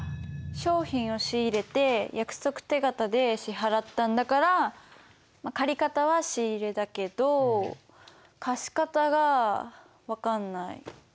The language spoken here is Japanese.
商品を仕入れて約束手形で支払ったんだから借方は仕入だけど貸方が分かんない。